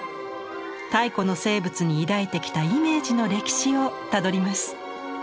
太古の生物に抱いてきたイメージの歴史をたどります。